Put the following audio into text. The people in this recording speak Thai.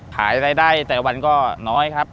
ขายรายได้แต่วันก็น้อยครับ